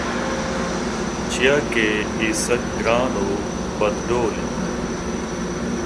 چیاکہ اے سکّ گَران ءُ بد ڈول اِنت